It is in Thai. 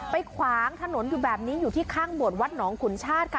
ขวางถนนอยู่แบบนี้อยู่ที่ข้างบวชวัดหนองขุนชาติค่ะ